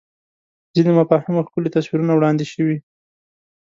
ځینو مفاهیمو ښکلي تصویرونه وړاندې شوي